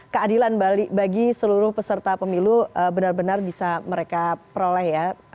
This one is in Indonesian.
keadilan bagi seluruh peserta pemilu benar benar bisa mereka peroleh ya